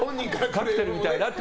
カクテルみたいだって。